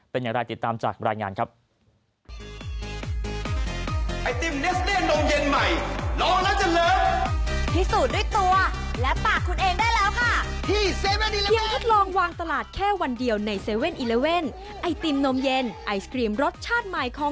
เป็นอย่างไรติดตามจากรายงานครับ